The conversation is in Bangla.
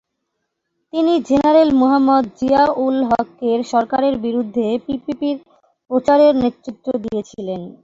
তিনি জেনারেল মুহাম্মদ জিয়া-উল-হকের সরকারের বিরুদ্ধে পিপিপির প্রচারের নেতৃত্ব দিয়েছিলেন।